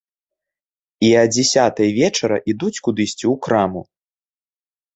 І а дзясятай вечара ідуць кудысьці ў краму.